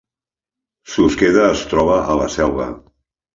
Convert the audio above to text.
Susqueda es troba a la Selva